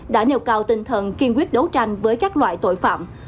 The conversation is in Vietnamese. đã nêu cao tinh thần kiên quyết đấu tranh với các loại tội phạm